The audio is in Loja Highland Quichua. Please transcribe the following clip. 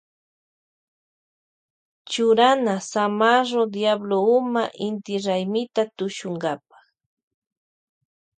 Churana zamarro diablo huma inti raymita tushunkapa.